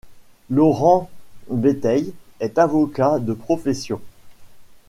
Laurent Béteille est avocat de profession.